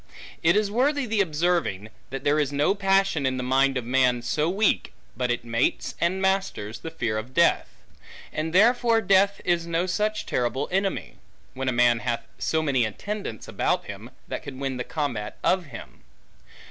It is worthy the observing, that there is no passion in the mind of man, so weak, but it mates, and masters, the fear of death; and therefore, death is no such terrible enemy, when a man hath so many attendants about him, that can win the combat of him.